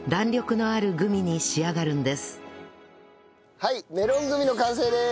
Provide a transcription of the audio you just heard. はいメロングミの完成です！